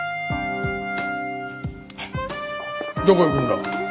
どこ行くんだ？